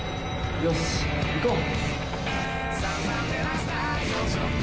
よし行こう！